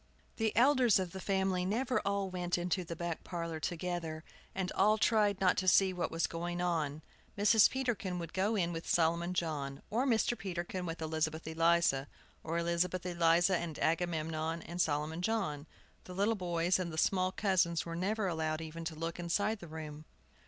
The elders of the family never all went into the back parlor together, and all tried not to see what was going on. Mrs. Peterkin would go in with Solomon John, or Mr. Peterkin with Elizabeth Eliza, or Elizabeth Eliza and Agamemnon and Solomon John. The little boys and the small cousins were never allowed even to look inside the room.